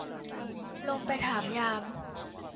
ลงไปถามยาม